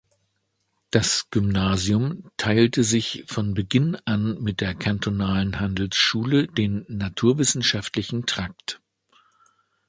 Das Gymnasium teilte sich von Beginn an mit der Kantonalen Handelsschule den naturwissenschaftlichen Trakt.